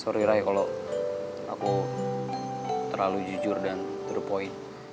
sorry ray kalo aku terlalu jujur dan terpoi